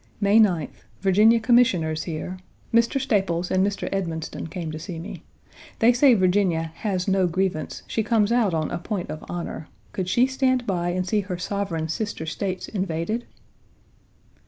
May 9th. Virginia Commissioners here. Mr. Staples and Mr. Edmonston came to see me. They say Virginia "has no grievance; she comes out on a point of honor; could she stand by and see her sovereign sister States invaded?"